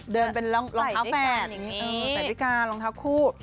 เดินเป็นรองเท้า๘ใส่ด้วยกันรองเท้าคู่